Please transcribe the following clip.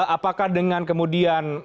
apakah dengan kemudian